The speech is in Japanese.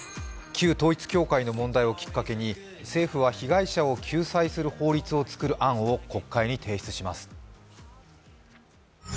旧統一教会の問題をきっかけに、政府は被害者の救済をする法律を作る案を国会に提出します。